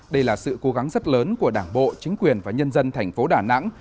đây là sự cố gắng rất lớn của đảng bộ chính quyền và nhân dân tp đà nẵng